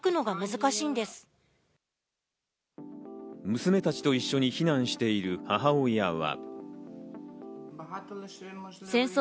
娘たちと一緒に避難している母親は。